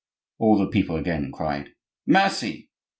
All the people again cried, "Mercy!"